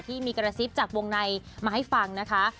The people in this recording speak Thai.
ที่มีกระซิบจากวงในมาให้ฟังนะคะ